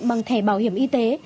bằng thẻ bảo hiểm y tế